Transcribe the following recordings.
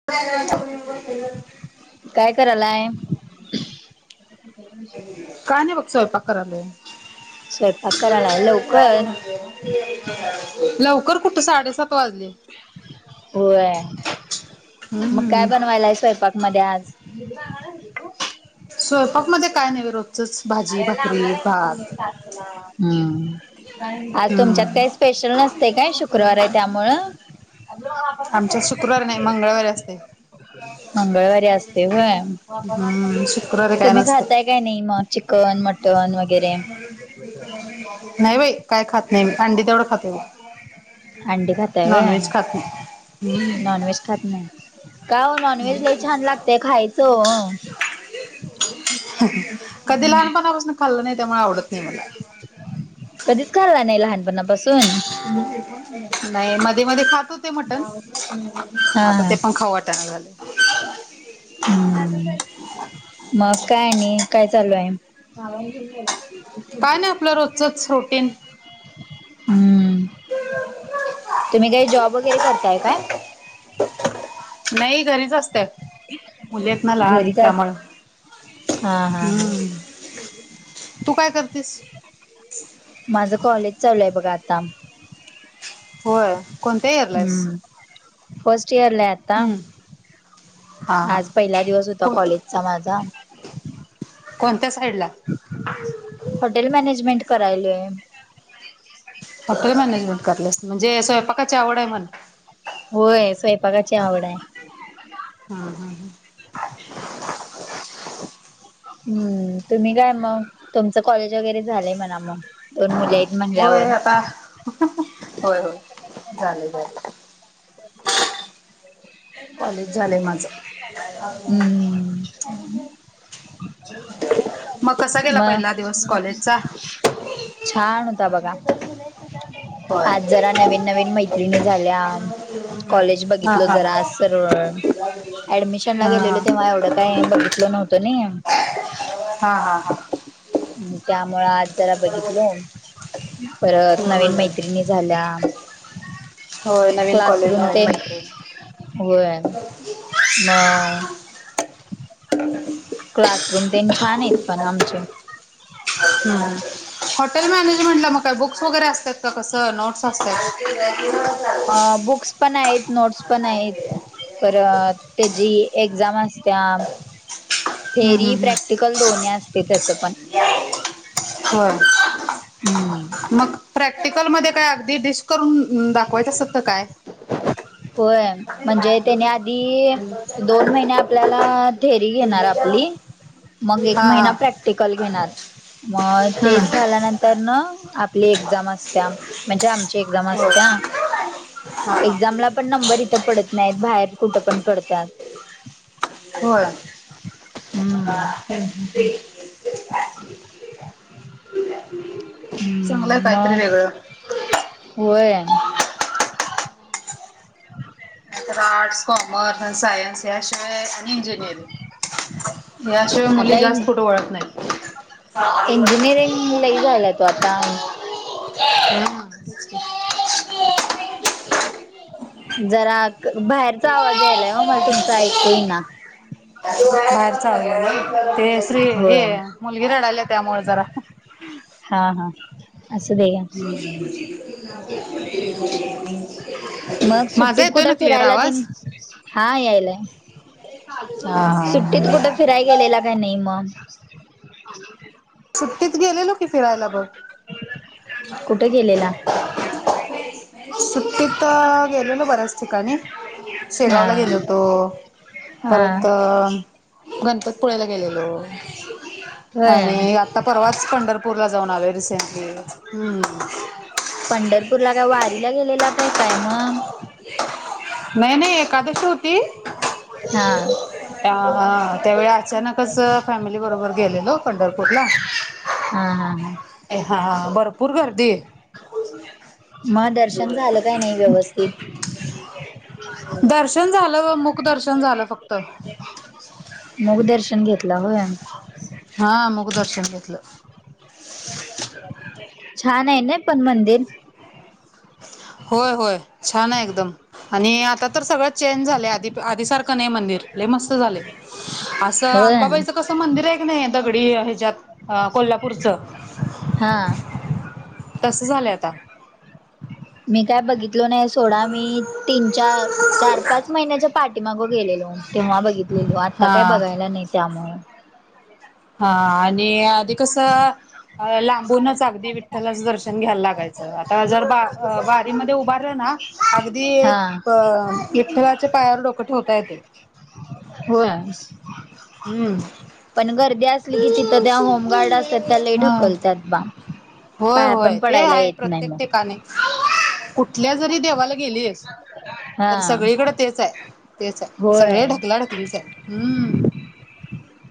[unintelligible] काय करायलाय काय नाही बघ स्वयंपाक कला स्वयंपाक करायलाय लवकर लवकर कुठं साडेसात वाजले होय मग काय हम्म बनवायला आहे स्वयंपाक मध्ये आज ए स्वयंपाक मध्ये काय न रोजचच भाजी भाकरी भात हम्म आज तुमच्यात काही हम्म स्पेशल नसते काय शुक्रवार आहे त्यामुळं आ आमच्या शुक्रवार नाही मंगळवारी असते मंगळवारी असते हो हम्म शुक्रवारी काय तुम्ही नसते. खाताय काय नाही मग चिकन मटनग नाही बाई काय खात नाही मी अंडी तेवढं खाते म नॉन वहेज खात नाही नॉनवेज खात नाही का नॉनवेज ल छान लागतेय खायचं कधी लहानपणापासून खाल्लं नाही त्यामुळे आवडत नाही मला. कधीच खला नाही लहानपणापासून नाही मध्ये मध्ये खातो हो ते मटण आता ते पण खाऊ वाटना झाले ह् मकाय नाही काय चालू आहे काय नाही आपलं रोजचच रुटीन हम्म तुम्ही काही जॉब वगैरे करताय काय नाही घरीच असते मुली आहेत ना लहान घरीच अस त्यामुं हा हा हा हम् तू काय करतेस माझं कॉलेज चालू आहे बघा आता होय कोणत येरलायस हम्म फर्स्ट इयरला आता हा हा आज पहिला दिवस होता को कॉलेजचा माझा कोणत्या साईड ला हॉटेल मॅनेजमेंट करायल आहे हॉटेल मॅनेजमेंट करलेस म्हणजे स्वयंपाकाची आवड आहे मण होय स्वयंपाकाची आवड आहे हा हा हा हम्म तुम्ही काय मग तुमचं कॉलेज वगैरे झालंय म्हणा मग दोन मुली आहेत म्हणल्यावर होय आता होय होय झालंय झालंय. कॉलेज झालंय माझं. [unintelligible] हम्म मग कसा गेला पहिला मग दिवस कॉलेजचा? छान होता बघा होय आज जरा नवीन नवीन मैत्रिणी झाल्या. कॉलेज हा बघितलं हा हा जरासं ऍडमिशन ला गेलेलो हा. तेव्हा एवढं काय बघितलं नव्हतं नाही हा हा हा त्यामुळं आज जरा बघितलं परत नवीन मैत्रिणी झाल्या होय नवीन कॉलेज क्लासरूम नवीन ते मैत्रिणी होय म क्लासरूम तेन छान आहेत पण आमचे हॉटेल मॅनेजमेंटला मग काय बुक्स वगैरे असतात का कसं नोट्स असत्यातं [unintelligible] अ बुक्स पण आहेत, नोट्स पण आहेत तर त्याजी एक्झाम असत्या हम्म थेरी हम्म हम्म प्रॅक्टिकल दोन्ही असतय त्याचं पण होय हम्म मग प्रॅक्टिकल मध्ये काय अगदी डिश करून दाखवायचं असतात काय काय? होय म्हणजे तेनी आधी दोन महिने आपल्याला थेरी घेणार आपली मग एक हा हा महिना प्रॅक्टिकल घेणार मग ते हम्म झाल्यानंतर तरनं आपली एक्झाम असत्या म्हणजे आमची एक्झाम अस होय हा हा एझामला पण नंबर इथं पडत नाहीत बाहेर कुठं पण पडत्यात. होय हम्म चांगलंय हम्म काहीतरी मग वेगळं होय नाहीतर आर्ट्स, कॉमर्स आणि सायन्स याशिवाय आणि इंजिनिअरिंग याशिवाय मुली आता जास्त कुठं वळत नाहीत. [unintelligible] इंजिनिअरिंग लई झाला तो आता ह्हम्म्म तेच की जरा बाहेरचा आवाज यायलाय ओ मला तुमचं ऐकू येईना बाहेरचं होय ते श्री हे होय मुलगी रडाल्या त्यामुळे जरा हा हा असू दे घ्या मग माझा सुट्टीत येतोय ना कुठे क्लिअर फिरायला आवाज तेनं हा यायलाय हा सुट्टीत हा कुठं फिराय गेलेला काय नाही म सुट्टीत गेलेलो की फिरायला बघ कुठे गेलेला? सुट्टीत गेलेलो बऱ्याच ठिकाणी हा शेगावला गेलो होतो हा परत गणपतपुळ्याला गेलेलो होय आणि आ आता परवाच पंढरपूरला जाऊन आलोय रिसेंटली हम् पंढरपूरला काय वारीला गेलेला काय काय मग नाही नाही एकादशी होती हा त्यावेळी अचानक असं फॅमिली बरोबर गेलेलो पंढरपूरला हा हा. ए हा, भरपूर गर्दी! मग दर्शन झालं काय नाही व्यवस्थित? दर्शन झालं बग मूक दर्शन झालं फक्त. मूक दर्शन घेतला होय. हा मूक दर्शन घेतलं. छान आहे ना पण मंदिर? होय होय छान आहे एकदम आणि आता तर सगळं चेंज झाले आधी आधी सारखं. कने मंदिर हे मस्त झाले. असं होय अंबाबाईचं कसं मंदिर आहे की नाही दगडी ह्याच्यात. अ कोल्हापूरचं! हां. तसं झालंय आता. मी काय बघितलो नाही सोडा मी तीन चा चार पाच महिन्याच्या पाठीमाग गेलेलो, तेव्हा बघितलेलो आता काय हा बघायला नाही त्यामु हा आणि आधी कसं लांबूनच अगदी विठ्ठलाचं दर्शन घ्यायला लागायचं. आता जर बा बारीमध्ये उभारलं ना अगदी. हा अ विठ्ठलाच्या पायावर डोकं ठेवता येत. होय? हम्म. पण गर्दी असली की, तिथं त्या होमगार्ड असत्यात त्या लय हा ढकलत्यात बा. होय पाया पण होय ते पडायला आहे येत नाही प्रत्येक मग. ठिकाणी कुठल्या जरी देवाला गेलीस, हा तर सगळीकडे तेच आहे तेच आहे सगळे होय ढकला ढकला लीचा, हम.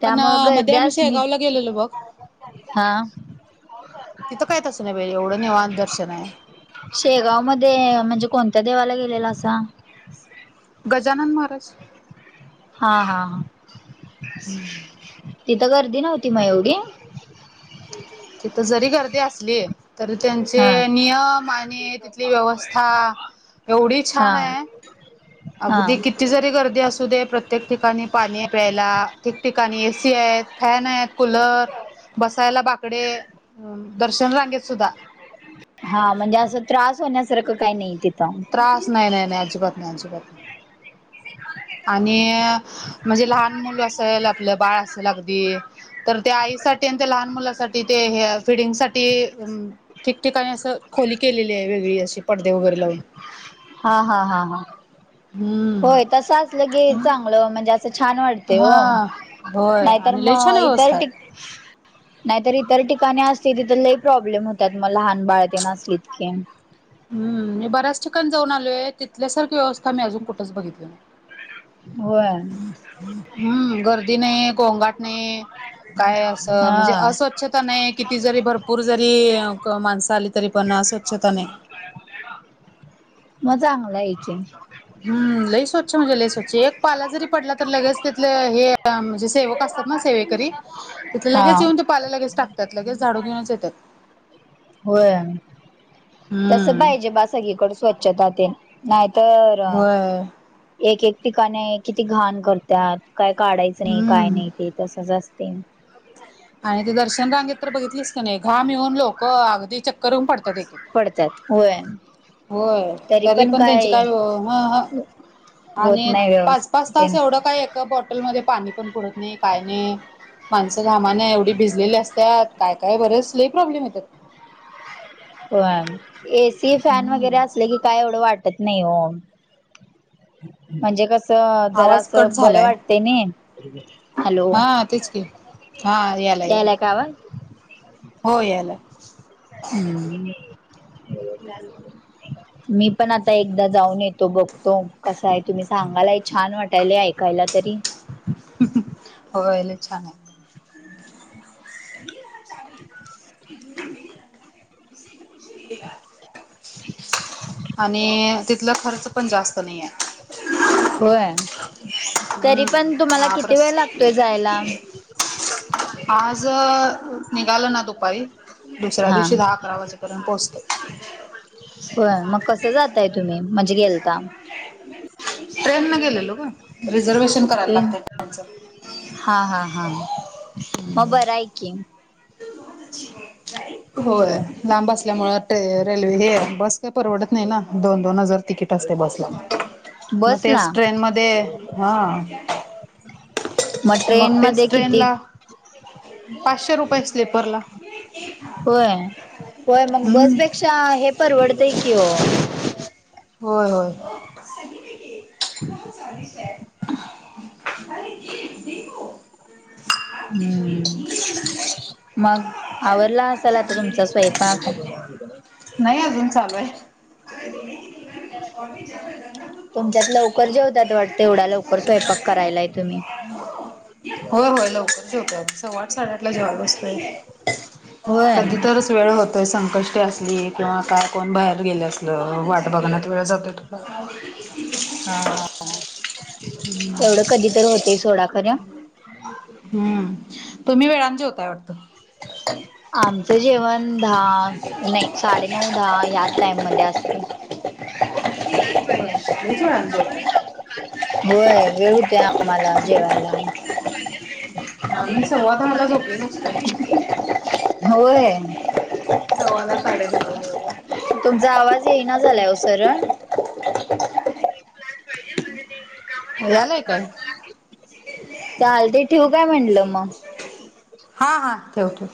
त्यामुळे ग द्या मी शेगावला गेलेलो बघ. हा तिथं काय तसं नाही बाई एवढं निवांत दर्शन आहे. शेगाव मध्ये म्हणजे कोणत्या देवाला गेलेला असा. गजानन महाराज. हा हा ह, तिथं गर्दी नव्हती मग एवढी? तिथं जरी गर्दी असलीय. तर हा त्यांचे नियम आणि तिथली व्यवस्था. एवढी हा छान आहे, हा अगदी किती ज री गर्दी असू दे प्रत्येक ठिकाणी पाणी प्यायला ठिकठिकाणी एसी आहेत. फॅन आहेत कुलर, बसायला बाकडे, दर्शन रांगेत सुद्धा. हा म्हणजे असं त्रास होण्यासारखं काही नाही तिथं. त्रास! नाही नाही नाही, अजिबात नाही, अजिबात नाही आणि. म्हणजे लहान मुलं असेल आपलं बाळ असेल अगदी तर त्या आईसाठी आणि त्या लहान मुलासाठ तिथे ह्या फिडिंग साठी ठिकठिकाणी असं खोली केलेली आहे वेगळी अशी. पडदे वैगेरे लावून हा हा हा हा... हम्म.. होय तसं असलं की चांगलं बगा म्हणजे. अस छान वाटते ओ हा नाहीतर मग इतर ठिका थत [inaudible] नाहीत इतर ठिकाणी असतील तिथ लही प्रॉब्लेम होतात मग लहान बाळते असलीत की. हम् मी बऱ्याच ठिकाणी जाऊन आलोय, तिथल्यासारखी व्यवस्था मी अजून कुठंच बघितली, होय. हम्म गर्दी नाही गोंगाट नाही, काय असं म्हणजे हा अस स्वच्छता नाही किती जरी भरपूर जरी माणसं आली तरी पण स्वच्छता नाही. मा चांगला याची. हम् लई स्वच्छ म्हणजे लई स्वच्छ एक पाला जरी पडला तर लगेच तिथलं हे म्हणजे. सेवक असतात ना सेवेकरी ते हा लगेच येऊन ते पाले लगेच टाकतात लगेच झाडू घेऊनच येतात होय तस पाहिजे हम्म बा सगळीकडे स्वच्छता तेन नाहीतर होय एक एक ठिकाणी किती घाण करतात काय काढायचं नाही काय हम्म नाही ते तसंच असतय आणि ते दर्शन रांगेत तर बघितलीस का नाही घाम येऊन लोक अगदी चक्कर येऊन पडतात एक एक होय होय तरी पण त्यांचे काय ह ह होत आणि नाही पाच व्यवस्थित पाच तास तेन. एवढं काय एका बॉटलमध्ये पाणी पण पुरत नाही काय नाही माणसं घामान एवढी भिजलेली असत्यात काय काय बरेच लय प्रॉब्लेम येतात होय एसी, फॅन वगैरे हम्म असले की काय एवढं वाटत नाही हो म्हणजे कस अ जरा आवाज अस कट बरं झालाय वाटतय नी हॅलो हा तेच की हा यालाय यायला यालाय का आवाज हो यालाय हम्म थ मी पण आता एकदा जाऊन येतो बघतो कसा आहे तुम्ही सांगायलाय छान वाटायला ऐकायला तरी, होले छान आहे, ह, र र आणि तिथल खर्च पण जास्त नाहीये होय तरी हम्म पण तुम्हाला किती महाप्रस वेळ लागतोय जायला आज निघाल ना दुपारी दुसऱ्या हा दिवशी दहा अकरा वाजेपर्यंत पोहोचतय होय मग कस जातय तुम्ही म्हणजे गेलता ट्रेन न गेलेलो गं रिझर्वेशन करायला ट्रेन लागतय त्यांचं हा हा हा मग बरं आहे की होय लांब असल्यामुळं ते रेल्वे हे बसन काही परवडत नाही ना दोन दोन हजार तिकीट असते बसला मग तेच बसला ट्रेन मध्ये हा मग ट्रेन तेच मध्ये ट्रेन किती ला पाचशे रुपये स्लीपरला होय होय मग हम्म बसपेक्षा हे परवडतय की ओ होय होय [inaudible] [inaudible] हम्म मग आवरला असेल आता तुमचा स्वयंपाक नाही अजुन चालू आहे तुमच्यात लवकर जेवत्यात वाटत एवढा लवकर स्वयंपाक करायलाय तुम्ही होय होय लवकर जेवतोय आम्ही सव्वा आठ साडेआठला जेवायला बसतोय होय कधीतरच वेळ होतोय संकष्टी असलीय किंवा काय कोण बाहेर गेले असलं वाट बघण्यात वेळ जातोय हा हा [inaudible] तेवढं कधी तर होते सोडा खरं [inaudible] हम्म तुम्ही वेळान जेवताय वाटतं आमचं जेवण दहा नाही साडे नऊ दहा ह्याच टाइम मध्ये असतय पाहिजे म्हणजे ते वेळानं कामा जेवताय नाहीत होय वेळ होतय आम्हाला जेवायला आम्ही सव्वा दहाला झोपलेलो असतोय होय नवाला साडे नऊला. तुमचा आवाज येईना झालाय ओ सरळ ह पाहिजेल ऽ यालाय काय? चालतय ठेऊ काय म्हटलं मग? हा, हा, ठेव, ठेव.